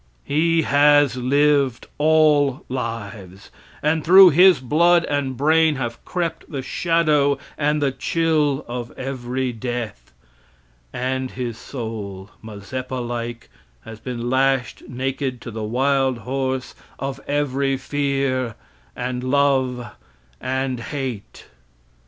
He has lived all lives, and through his blood and brain have crept the shadow and the chill of every death, and his soul, Mazeppa like, has been lashed naked to the wild horse of every fear and love and hate.